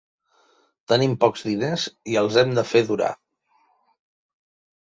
Tenim pocs diners i els hem de fer durar.